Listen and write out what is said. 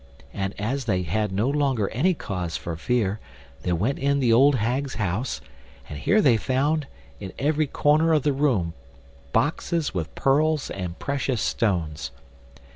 And as they had no longer any cause for fear, they went in the old hag's house, and here they found, in every corner of the room, boxes with pearls and precious stones.